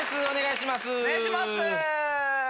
お願いします。